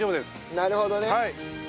なるほどね。